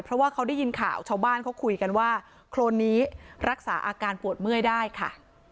เพราะว่าเขาได้ยินข่าวชาวบ้านเขาคุยกันว่าโครนนี้รักษาอาการปวดเมื่อยได้ค่ะ